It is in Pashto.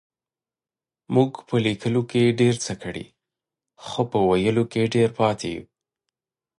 مونږ په لکيلو کې ډير څه کړي خو په ويلو کې ډير پاتې يو.